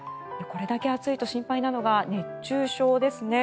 これだけ暑いと心配なのが熱中症ですね。